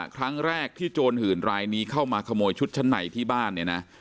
ครั้งแรกที่โจรหื่นรายนี้เข้ามาขโมยชุดชั้นในที่บ้านเนี่ยนะ